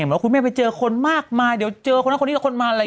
ว่าคุณแม่ไปเจอคนมากมายเดี๋ยวเจอคนอื่นคนมาแล้ว